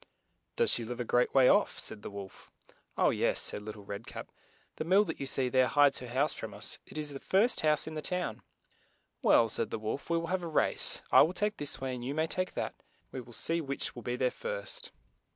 " "Does she live a great way off?" said the wolf. "Oh yes," said Lit tle Red Cap, "the mill that you see there, hides her house from us ; it is the first house in the town." "Well," said the wolf, "we will have a race; I will take this way and you may take that, and we shall see which will be there first."